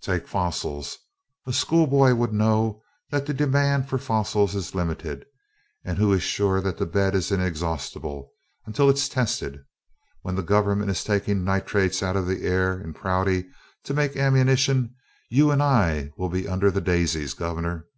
"Take fossils a school boy would know that the demand for fossils is limited, and who is sure that the bed is inexhaustible until it's tested. When the government is taking nitrates out of the air in Prouty to make ammunition, you and I will be under the daisies, Governor."